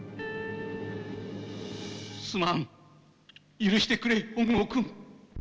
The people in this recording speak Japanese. すまん許してくれ本郷君。